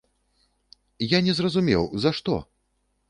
Я не зразумеў, за што?